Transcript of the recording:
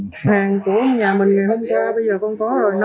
hàng của nhà mình ngày hôm qua bây giờ con có rồi